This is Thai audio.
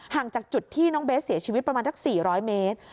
จากจุดที่น้องเบสเสียชีวิตประมาณสัก๔๐๐เมตร